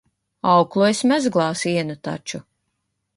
Auklu es mezglā sienu taču.